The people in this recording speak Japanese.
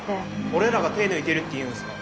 俺らが手抜いてるっていうんですか？